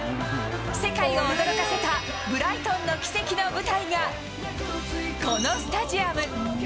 世界を驚かせたブライトンの奇跡の舞台が、このスタジアム。